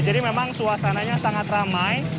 jadi memang suasananya sangat ramai